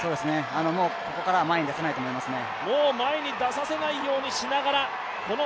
もうここからは前に出させないと思いますね。